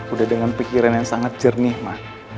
udah dengan pikiran yang sangat jernih mah